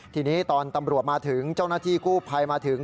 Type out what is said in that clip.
ทีนี้ตอนตำรวจมาถึงเจ้าหน้าที่กู้ภัยมาถึง